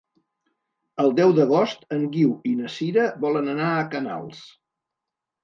El deu d'agost en Guiu i na Sira volen anar a Canals.